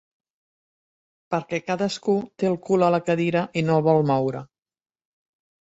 Perquè cadascú té el cul a la cadira i no el vol moure.